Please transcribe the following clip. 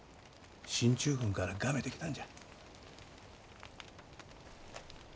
進駐軍からがめてきたんじゃ。